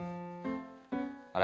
あれ？